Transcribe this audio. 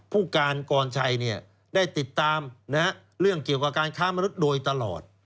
ผู้การกรชัยได้ติดตามเรื่องเกี่ยวกับการค้ามนุษย์โดยตลอด